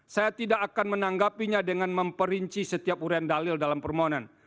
saya tidak akan menanggapinya dengan memperinci setiap urian dalil dalam permohonan